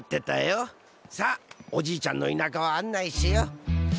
さあおじいちゃんの田舎を案内しよう。